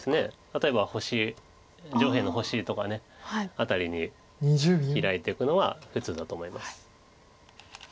例えば上辺の星とか辺りにヒラいていくのは普通だと思います。